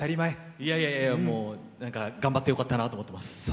いやいやいや、頑張ってよかったなと思っています。